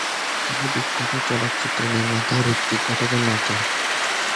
তিনি বিখ্যাত চলচ্চিত্র নির্মাতা ঋত্বিক ঘটকের নাতি।